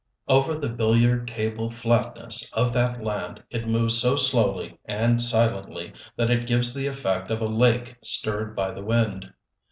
Over the billiard table flatness of that land it moves so slowly and silently that it gives the effect of a lake stirred by the wind.